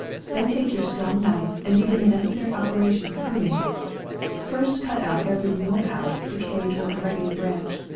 Then take your strong knife, and begin the neceg* 46 APRIL. sary operation of pruning. First cut out every worn out, decayed, or irregular branch.